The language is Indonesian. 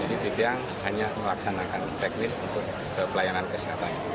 jadi dia hanya melaksanakan teknis untuk pelayanan kesehatan